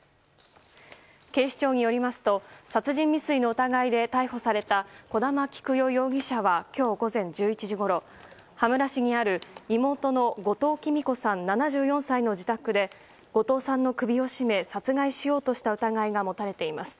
警視庁によりますと殺人未遂の疑いで逮捕された小玉喜久代容疑者は今日午前１１時ごろ羽村市にある妹・後藤喜美子さん７４歳の自宅で後藤さんの首を絞め殺害しようとした疑いが持たれています。